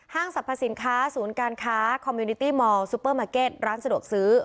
สรรพสินค้าศูนย์การค้าคอมมิวนิตี้มอลซูเปอร์มาร์เก็ตร้านสะดวกซื้อ